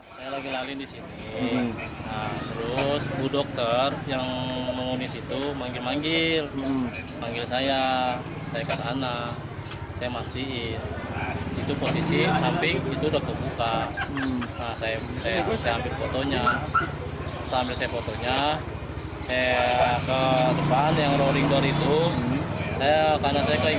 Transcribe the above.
pada saat depan yang rolling door itu karena saya keingetan sama anaknya mereka kan punya anak dua itu masih kecil kecil